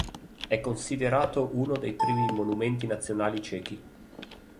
È considerato uno dei primi monumenti nazionali cechi.